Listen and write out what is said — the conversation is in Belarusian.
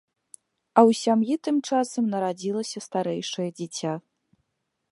А ў сям'і тым часам нарадзілася старэйшае дзіця.